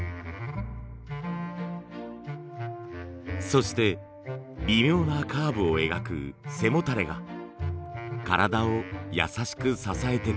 そして微妙なカーブを描く背もたれが体を優しく支えてくれます。